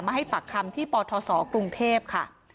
ให้ปากคำที่ปทศกรุงเทพค่ะ